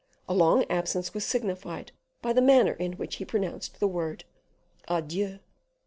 A long absence was signified by the manner in which he pronounced the word "Adieu."